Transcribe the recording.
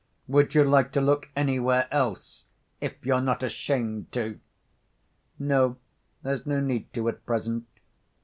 "Would you like to look anywhere else if you're not ashamed to?" "No, there's no need to, at present."